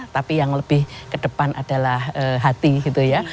tapi yang lebih ke depan adalah hati gitu ya